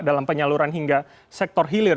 dalam penyaluran hingga sektor hilir